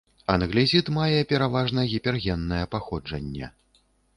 Англезіт мае пераважна гіпергеннае паходжанне.